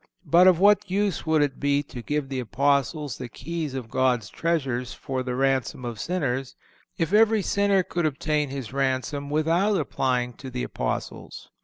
But of what use would it be to give the Apostles the keys of God's treasures for the ransom of sinners, if every sinner could obtain his ransom without applying to the Apostles?